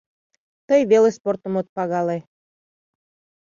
Тый веле спортым от пагале.